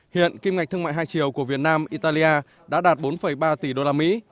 hiện kim ngạch thương mại hai triệu của việt nam italia đã đạt bốn ba tỷ đô la mỹ